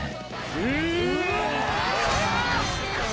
うわ！